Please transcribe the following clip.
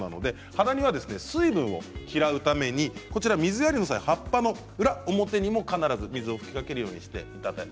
ハダニは水分を嫌うために水をやる際葉っぱの裏、表にも必ず水を吹きかけるようにしてください。